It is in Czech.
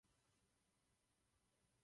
Na řece byly postaveny přehradní nádrže.